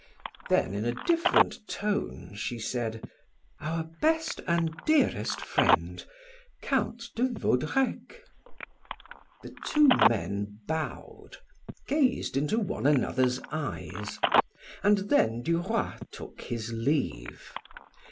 Then in a different tone, she said: "Our best and dearest friend, Count de Vaudrec." The two men bowed, gazed into one another's eyes, and then Duroy took his leave.